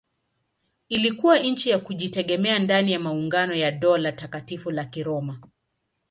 Ilikuwa nchi ya kujitegemea ndani ya maungano ya Dola Takatifu la Kiroma.